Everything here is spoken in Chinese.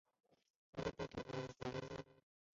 在的代理作品中的甲田写作。